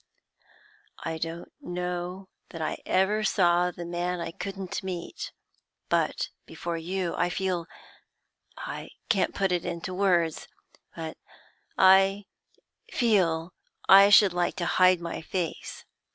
I don't know that I ever saw the man I couldn't meet, but before you I feel I can't put it into words, but I feel I should like to hide my face.